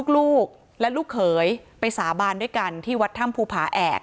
ลูกและลูกเขยไปสาบานด้วยกันที่วัดถ้ำภูผาแอก